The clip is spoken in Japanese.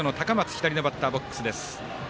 左のバッターボックスです。